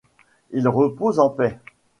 Ils reposent en paix.